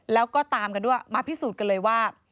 แล้วก็ตามกันด้วยมาพิสูจน์กันเลยว่า